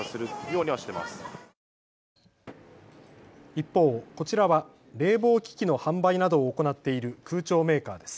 一方、こちらは冷房機器の販売などを行っている空調メーカーです。